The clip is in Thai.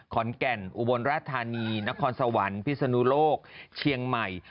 ขอนแก่นอุบลราชธานีนครสวรรค์พิศนุโลกเชียงใหม่